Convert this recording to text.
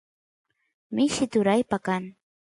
mishi turaypa kan